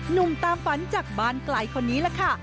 หนุ่มตามฝันจากบ้านไกลคนนี้แหละค่ะ